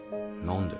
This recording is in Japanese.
何で？